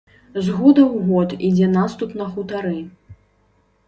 З года ў год ідзе наступ на хутары.